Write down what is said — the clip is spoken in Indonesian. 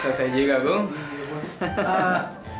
selesai juga agung